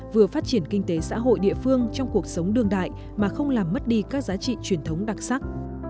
vừa phát triển kinh tế xã hội địa phương trong cuộc sống đương đại mà không làm mất đi các giá trị truyền thống đặc sắc